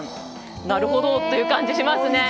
なるほど！という感じですね。